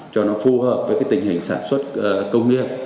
cho nó phù hợp với cái tình hình sản xuất công nghiệp